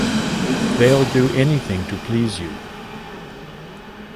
They'll do anything to please you.